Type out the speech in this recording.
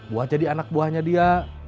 buah jadi anak buahnya dia